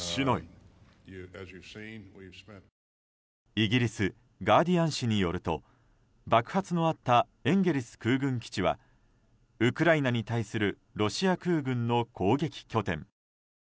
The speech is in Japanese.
イギリスガーディアン紙によると爆発のあったエンゲリス空軍基地はウクライナに対するロシア空軍の攻撃拠点。